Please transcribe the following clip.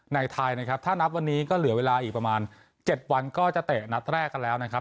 ไทยนะครับถ้านับวันนี้ก็เหลือเวลาอีกประมาณ๗วันก็จะเตะนัดแรกกันแล้วนะครับ